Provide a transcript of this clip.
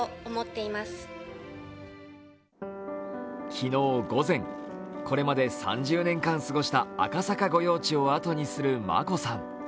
昨日午前、これまで３０年間過ごした赤坂御用地を後にする眞子さん。